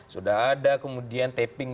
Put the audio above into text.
sudah ada kemudian taping